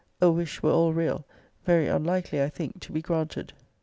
A wish, were all real, very unlikely, I think, to be granted.'